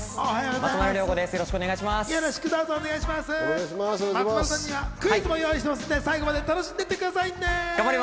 松丸さんにはクイズも用意していますので、最後まで楽しんでいってくださいね。